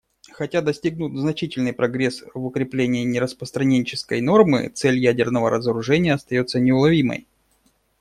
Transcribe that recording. Хотя достигнут значительный прогресс в укреплении нераспространенческой нормы, цель ядерного разоружения остается неуловимой.